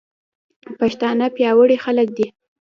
پښتانه پياوړي خلک دي.